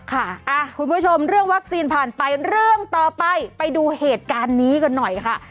คุณผู้ชมเรื่องวัคซีนผ่านไปเรื่องต่อไปไปดูเหตุการณ์นี้กันหน่อยค่ะ